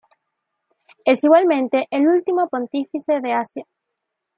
Es igualmente el último pontífice de Asia.